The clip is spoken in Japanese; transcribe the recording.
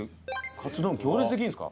カツ丼行列できるんですか？